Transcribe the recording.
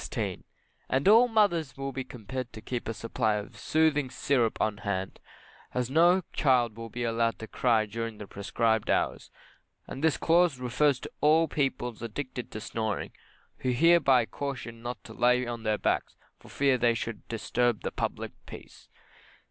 And all mothers will be compelled to keep a supply of soothing syrup on hand, as no child will be allowed to cry during the prescribed hours; and this Clause refers to all persons addicted to snoring, who are hereby cautioned not to lay on their backs, for fear they should disturb the public peace.